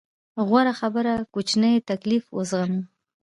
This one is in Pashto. غوره خبره کوچنی تکليف وزغمو.